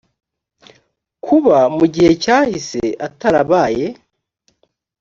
kuba mu gihe cyahise atarabaye